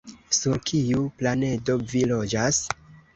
Sur kiu planedo vi loĝas?